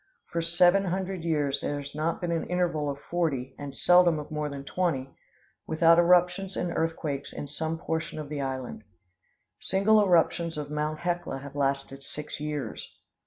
For seven hundred years there has not been an interval of forty, and seldom of more than twenty, without eruptions and earthquakes in some portion of the island. Single eruptions of Mt. Hecla have lasted six years.